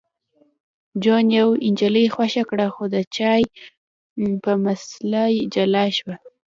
جون یوه نجلۍ خوښه کړه خو د چای په مسله جلا شول